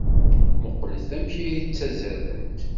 Mmuqqlet amek ay ttazzalent!